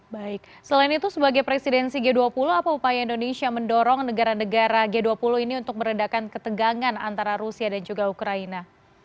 baik selain itu sebagai presidensi g dua puluh apa upaya indonesia mendorong negara negara g dua puluh ini untuk meredakan ketegangan antara rusia dan juga ukraina